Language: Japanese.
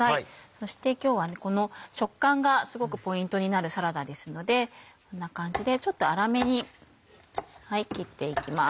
そして今日はこの食感がすごくポイントになるサラダですのでこんな感じでちょっと粗めに切っていきます。